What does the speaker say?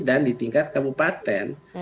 dan di tingkat kabupaten